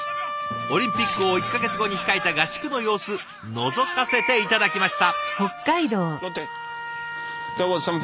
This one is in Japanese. オリンピックを１か月後に控えた合宿の様子のぞかせて頂きました。